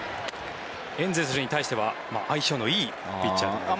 エンゼルスに対しては相性のいいピッチャーでもある。